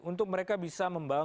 untuk mereka bisa menguruskan